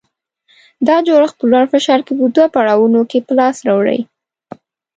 دا جوړښت په لوړ فشار کې په دوه پړاوونو کې په لاس راوړي.